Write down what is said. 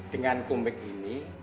dengan comeback ini